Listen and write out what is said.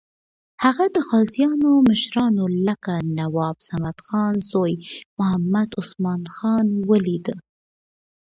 هغه د غازیانو مشرانو لکه نواب صمدخان زوی محمد عثمان خان ولیدل.